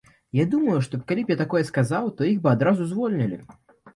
Я думаю, што калі б я такое сказаў, то іх бы адразу звольнілі.